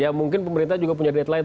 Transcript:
ya mungkin pemerintah juga punya deadline